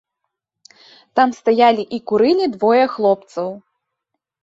Там стаялі і курылі двое хлопцаў.